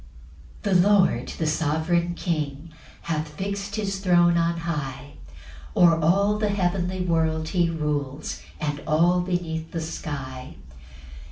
1 The lord, the sovereign King, Hath fix'd his throne on high; O'er all the heavenly world he rules, And all beneath the sky.